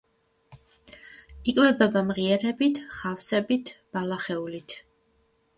იკვებება მღიერებით, ხავსებით, ბალახეულით.